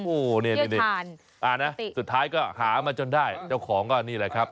โอ้โหนี่สุดท้ายก็หามาจนได้เจ้าของก็นี่แหละครับ